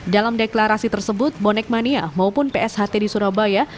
dalam deklarasi tersebut bonek mania maupun psht di surabaya